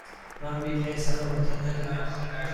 من بیمه سلامتی ندارم.